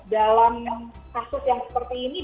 dalam kasus yang seperti ini